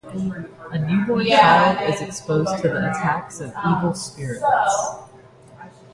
A newborn child is exposed to the attacks of evil spirits.